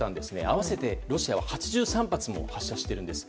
合わせてロシアは８３発も発射しています。